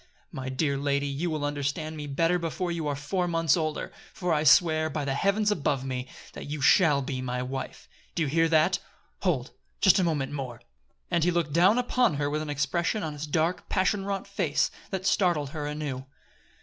"My dear lady, you will understand me better before you are four months older; for I swear, by the heaven above me! that you shall be my wife! Do you hear that? Hold! Just a moment more." And he looked down upon her with an expression on his dark, passion wrought face that startled her anew.